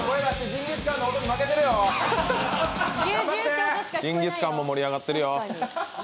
ジンギスカンも盛り上がってるよ。